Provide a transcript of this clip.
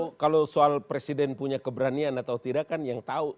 kalau soal presiden punya keberanian atau tidak kan yang tahu